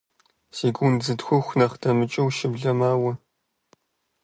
Секунд зытхух нэхъ дэмыкӀыу щыблэ мауэ.